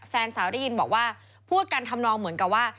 แฟนสาวได้ยินบอกว่าพูดกันทำนองเหมือนกับว่า